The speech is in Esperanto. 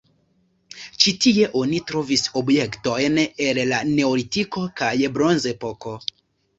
Ĉi tie oni trovis objektojn el la neolitiko kaj bronzepoko.